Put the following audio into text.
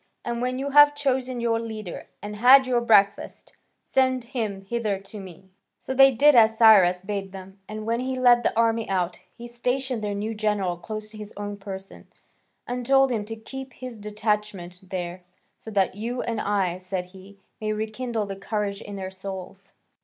And when you have chosen your leader, and had your breakfast, send him hither to me." So they did as Cyrus bade them, and when he led the army out, he stationed their new general close to his own person, and told him to keep his detachment there, "So that you and I," said he, "may rekindle the courage in their souls."